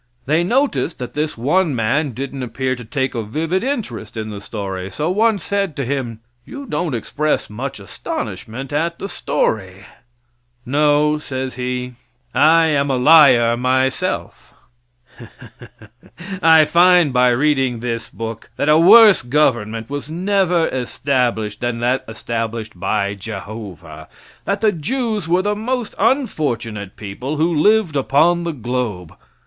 They noticed that this one man didn't appear to take a vivid interest in the story, so one said to him, "You don't express much astonishment at the story?" "No," says he, "I am a liar myself." I find by reading this book that a worse government was never established than that established by Jehovah; that the Jews were the most unfortunate people who lived upon the globe.